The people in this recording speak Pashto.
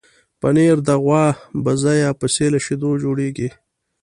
پنېر د غوا، بزه یا پسې له شیدو جوړېږي.